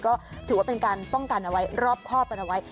ก็ถือว่าเป็นการป้องกันเอาไว้รอบครอบกันเอาไว้